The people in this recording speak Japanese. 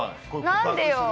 何でよ！